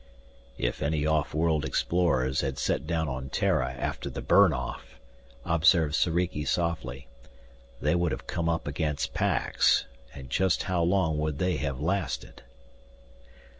"If any off world explorers had set down on Terra after the Burn Off," observed Soriki softly, "they would have come up against Pax. And just how long would they have lasted?"